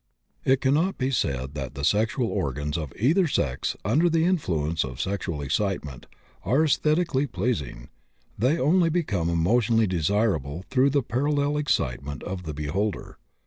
It cannot be said that the sexual organs of either sex under the influence of sexual excitement are esthetically pleasing; they only become emotionally desirable through the parallel excitement of the beholder.